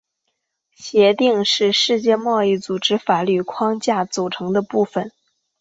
协定是世界贸易组织法律框架的组成部分。